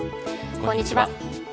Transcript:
こんにちは。